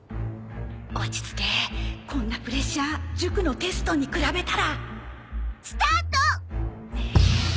落ち着けこんなプレッシャー塾のテストに比べたら！スタート！